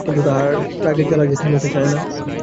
কিন্তু, তাহার রাগের জ্বালা যে থামিতে চায় না।